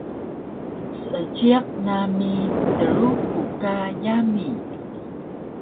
Seejiq nami Truku ka yami